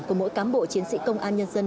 của mỗi cán bộ chiến sĩ công an nhân dân